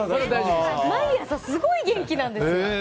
毎朝すごい元気なんですよ。